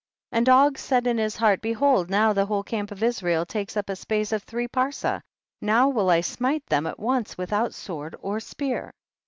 23. And Og said in his heart, be hold now liie whole camp of Israel takes up a space of three parsa,* now will I smite them at once without sword or spear, 24.